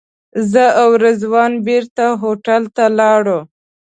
زه او رضوان بېرته هوټل ته لاړو.